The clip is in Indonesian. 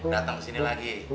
dateng kesini lagi